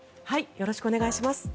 よろしくお願いします。